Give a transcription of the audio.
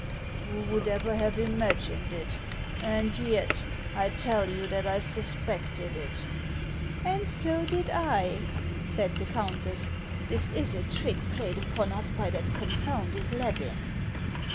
" Who would ever have imagined it ? And yet I tell you that I suspected it." " And so did I," said the countess. " This is a trick played upon us by that confounded Levin."